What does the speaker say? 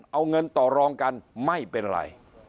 เอาเงินต่อรองกันไม่เป็นไร